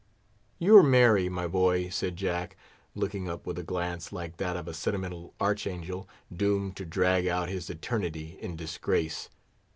"You're merry, my boy," said Jack, looking up with a glance like that of a sentimental archangel doomed to drag out his eternity in disgrace.